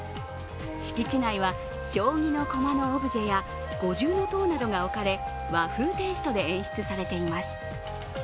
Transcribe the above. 敷地内は将棋の駒のオブジェや五重塔などが置かれ、和風テイストで演出されています。